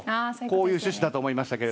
こういう趣旨だと思いましたけど。